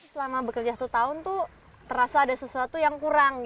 selama bekerja satu tahun tuh terasa ada sesuatu yang kurang